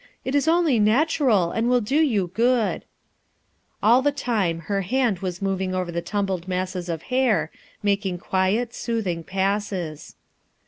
"It is only natural, and will do you good," All the time her hand was moving over the tumbled masses of hair, making quiet, soothing passes.